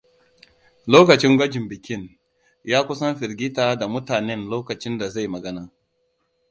Lokacin gwajin bikin, ya kusan firgita da mutanen lokacin da zai magana.